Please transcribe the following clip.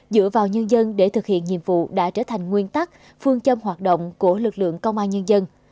dựa vào nhân dân để thực hiện nhiệm vụ đã trở thành nguyên tắc phương châm hoạt động của lực lượng công an nhân dân